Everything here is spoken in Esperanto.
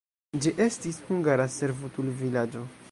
Ĝi estis hungara servutul-vilaĝo.